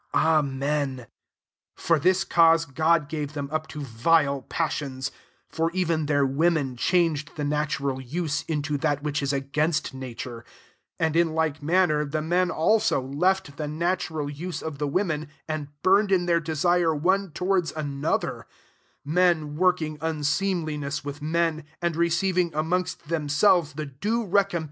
Amen. 26 For this cauaey God gave them up to vile pas sions: for even their women changed the natural use, into that which is against nature | 27 and in like manner, &e men also, left the natural use of the women, and burned in their desire one towards another; men working unseemliness with men, and receiving amongst themselves the due recomp^ise of their error.